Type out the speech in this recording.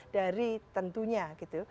dari tentunya gitu